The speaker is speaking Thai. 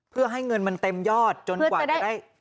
เพื่อให้เงินมันเต็มยอดจนกว่าจะได้